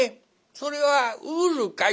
それはウールかい？」